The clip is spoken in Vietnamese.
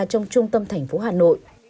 trong trung tâm thành phố hà nội